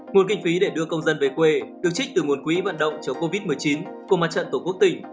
nguồn kinh phí để đưa công dân về quê được trích từ nguồn quỹ vận động chống covid một mươi chín của mặt trận tổ quốc tỉnh